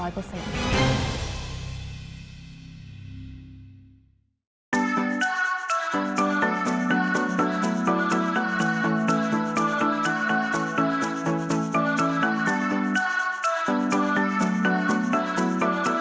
สวัสดีค่ะมน